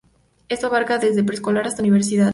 Esto abarca desde preescolar hasta universidad.